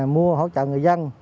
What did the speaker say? mua hỗ trợ người dân